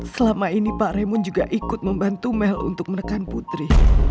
selama ini pak remun juga ikut membantu mel untuk menekan putri